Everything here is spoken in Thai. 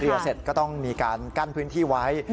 เสร็จก็ต้องมีการกั้นพื้นที่ไว้